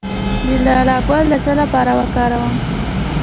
د لاله ګل د څه لپاره وکاروم؟